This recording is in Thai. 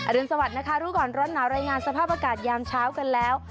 รุนสวัสดินะคะรู้ก่อนร้อนหนาวรายงานสภาพอากาศยามเช้ากันแล้ว